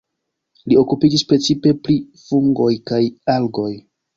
Li okupiĝis precipe pri fungoj kaj algoj.